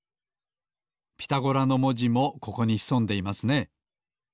「ピタゴラ」のもじもここにひそんでいますね。